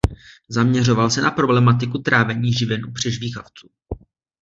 Zaměřoval se na problematiku trávení živin u přežvýkavců.